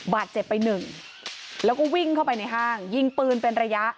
บาดเจ็บไปหนึ่งแล้วก็วิ่งเข้าไปในห้างยิงปืนเป็นระยะ